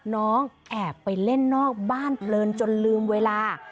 น้องแอบไปเล่นนอกบ้านเพลินจนลืมเวลา